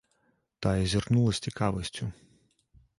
Тая зірнула з цікавасцю.